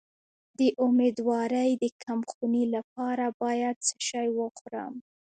د امیدوارۍ د کمخونی لپاره باید څه شی وخورم؟